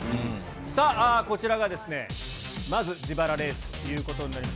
さあ、こちらがまず、自腹レースということになります。